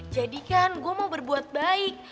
jadi kan gue mau berbuat baik